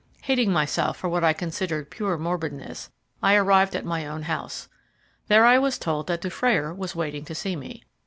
Hating myself for what I considered pure morbidness, I arrived at my own house. There I was told that Dufrayer was waiting to see me.